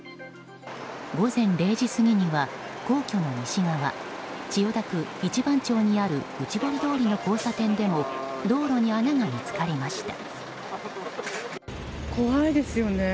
午前０時過ぎには皇居の西側千代田区一番町にある内堀通りの交差点でも道路に穴が見つかりました。